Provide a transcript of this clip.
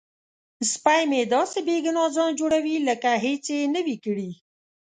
سپی مې داسې بې ګناه ځان جوړوي لکه هیڅ یې نه وي کړي.